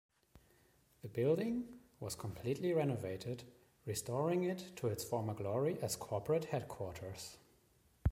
The building was completely renovated restoring it to its former glory as corporate headquarters.